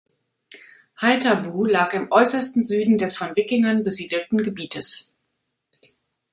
Haithabu lag im äußersten Süden des von Wikingern besiedelten Gebietes.